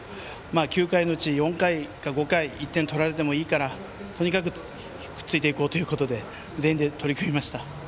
９回のうち４回か５回１点、取られてもいいからとにかく、くっついていこうということで全員で取り組みました。